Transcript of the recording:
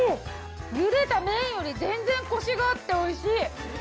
ゆでた麺より全然コシがあって美味しい！